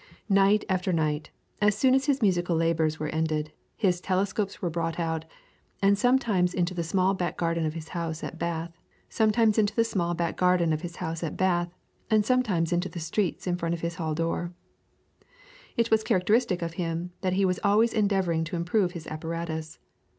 Night after night, as soon as his musical labours were ended, his telescopes were brought out, sometimes into the small back garden of his house at Bath, and sometimes into the street in front of his hall door. It was characteristic of him that he was always endeavouring to improve his apparatus.